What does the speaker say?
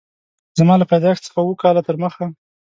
زما له پیدایښت څخه اووه کاله تر مخه